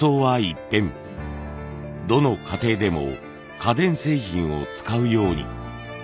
どの家庭でも家電製品を使うように。